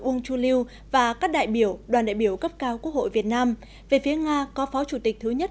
uông chu lưu và các đại biểu đoàn đại biểu cấp cao quốc hội việt nam về phía nga có phó chủ tịch thứ nhất